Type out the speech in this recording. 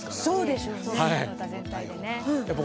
そうでしょうね。